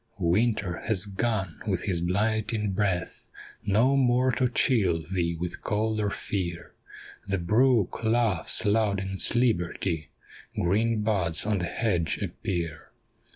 Winter has gone with his blighting breath, No more to chill thee with cold or fear, The brook laughs loud in its liberty, Green buds on the hedge appear.